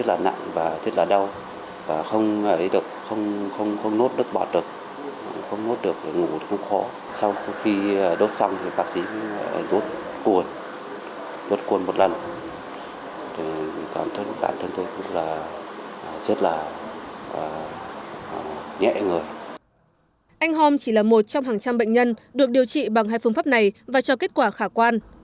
anh hòm chỉ là một trong hàng trăm bệnh nhân được điều trị bằng hai phương pháp này và cho kết quả khả quan